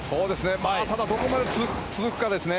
ただどこまで続くかですね。